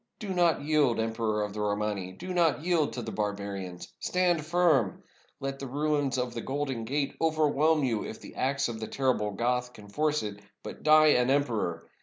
Do not yield, Emperor of the Romani — do not yield to the barba rians. Stand firm. Let the ruins of the Golden Gate overwhelm you if the axe of the terrible Goth can force it; but die an emperor!